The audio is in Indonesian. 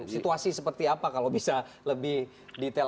situasi seperti apa kalau bisa lebih detail